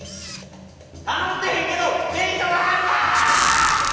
頼んでへんけどテンション上がるわ！